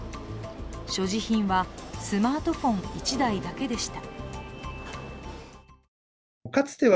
所持品はスマートフォン１台だけでした。